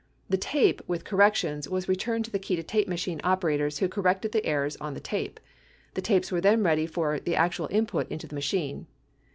The tape, with corrections, was returned to the key to tape machine operators who corrected the errors on the tape. The tapes were then ready for the actual input into the machine.